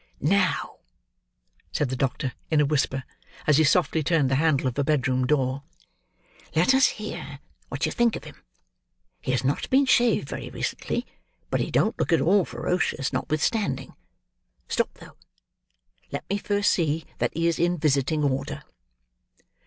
"Now," said the doctor, in a whisper, as he softly turned the handle of a bedroom door, "let us hear what you think of him. He has not been shaved very recently, but he don't look at all ferocious notwithstanding. Stop, though! Let me first see that he is in visiting order."